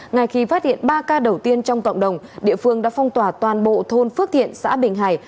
ngay khi phát hiện ba ca đầu tiên trong cộng đồng địa phương đã phong tỏa toàn bộ thôn phước thiện xã bình hải